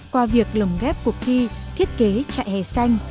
qua việc lồng ghép cuộc thi thiết kế trại hè xanh